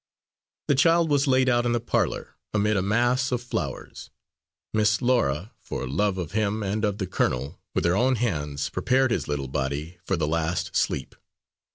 The child was laid out in the parlour, amid a mass of flowers. Miss Laura, for love of him and of the colonel, with her own hands prepared his little body for the last sleep.